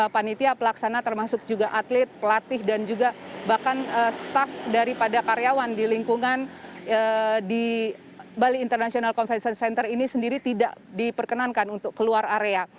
panitia pelaksana termasuk juga atlet pelatih dan juga bahkan staff daripada karyawan di lingkungan di bali international convention center ini sendiri tidak diperkenankan untuk keluar area